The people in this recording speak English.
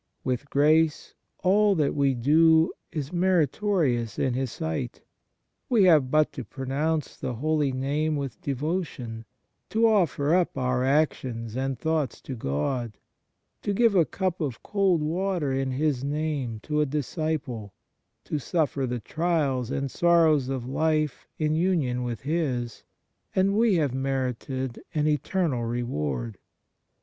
With grace all that we do is meritorious in His sight. We have but to pronounce the Holy Name with devotion, 1 i, 2, qu. 114, a. 3. 2 2 Cor. iv. 17. . 112 EFFECT AND FRUITS OF DIVINE GRACE to offer up our actions and thoughts to God, to give a cup of cold water in His name to a disciple, to suffer the trials and sorrows of life in union with His, and we have merited an eternal reward.